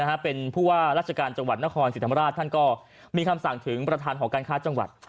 ร่าท่านเจนราชการจังหวัดนครศิริฐรรมราชมีคำสั่งถึงประธานของการค้าจังหวัด